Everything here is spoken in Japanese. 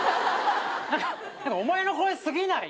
何かお前の声すぎない？